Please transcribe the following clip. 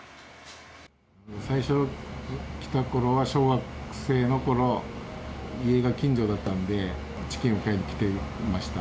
最初来たころは小学生のころ、家が近所だったんで、チキンを買いに来ていました。